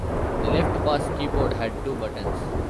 The left bass keyboard had two buttons.